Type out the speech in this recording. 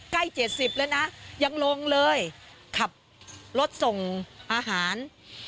๗๐แล้วนะยังลงเลยขับรถส่งอาหาร